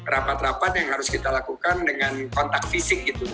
rapat rapat yang harus kita lakukan dengan kontak fisik gitu